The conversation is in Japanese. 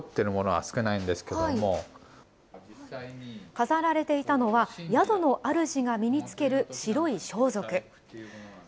飾られていたのは宿のあるじが身につける白い装束。